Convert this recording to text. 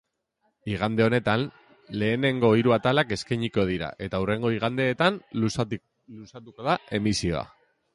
Igande honetan lehenengo hiru atalak eskainiko dira eta hurrengo igandeetan luzatuko da emisioa.